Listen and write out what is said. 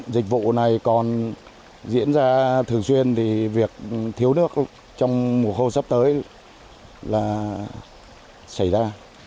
dịch vụ này còn diễn ra thường xuyên thì việc thiếu nước trong mùa khô sắp tới là xảy ra